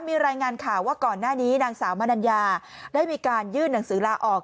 มีรายงานข่าวว่าก่อนหน้านี้นางสาวมนัญญาได้มีการยื่นหนังสือลาออก